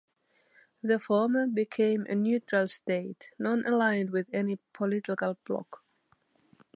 The former became a neutral state, non-aligned with any political bloc.